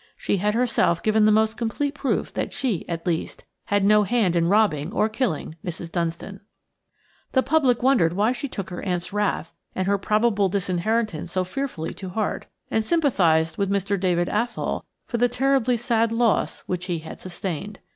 She had herself given the most complete proof that she, at least, had no hand in robbing or killing Mrs. Dunstan. The public wondered why she took her aunt's wrath and her probable disinheritance so fearfully to heart, and sympathised with Mr. David Athol for the terribly sad loss which he had sustained.